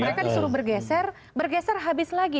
mereka disuruh bergeser bergeser habis lagi